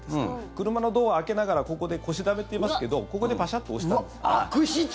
車のドアを開けながらここで腰だめって言いますけどここでパシャッと押したんです。